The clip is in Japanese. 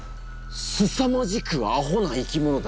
すさまじくアホな生き物だな！